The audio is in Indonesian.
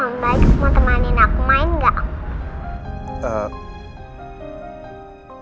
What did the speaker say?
om baik mau temanin aku main gak om